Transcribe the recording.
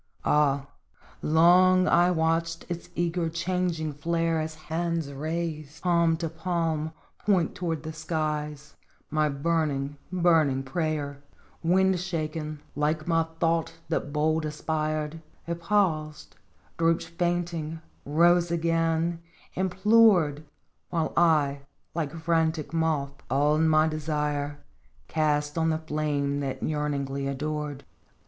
Ah ! long I watched its eager, changing flare As hands raised, palm to palm, point toward the skies My burning, burning prayer !" Wind shaken, like my thought that bold aspired, It paused, drooped fainting, rose again, implored, While I, like frantic moth, all my desire Cast on the flame that yearningly adored.